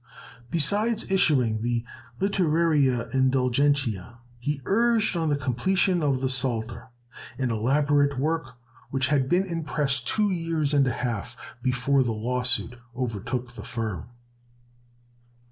Besides issuing the "Litterariæ Indulgentiæ," he urged on the completion of the Psalter, an elaborate work which had been in press two years and a half, before the lawsuit overtook the firm.